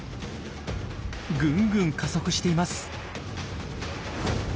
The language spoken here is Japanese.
ぐんぐん加速しています。